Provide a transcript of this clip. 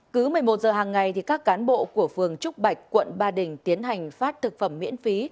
cứ một mươi một giờ hàng ngày các cán bộ của phường trúc bạch quận ba đình tiến hành phát thực phẩm miễn phí